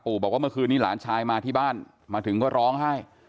บอกว่าเมื่อคืนนี้หลานชายมาที่บ้านมาถึงก็ร้องไห้